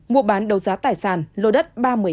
mua bán đấu giá tài sản lô đất ba trăm một mươi hai